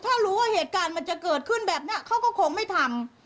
ถ้ารู้ว่าเหตุการณ์มันจะเกิดขึ้นแบบนี้เขาก็คงไม่ทำ